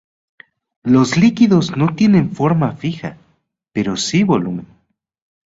Los líquidos no tienen forma fija pero sí volumen.